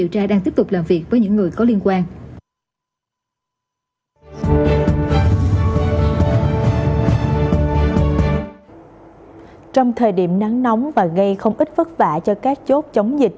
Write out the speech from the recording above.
trong thời điểm nắng nóng và gây không ít vất vả cho các chốt chống dịch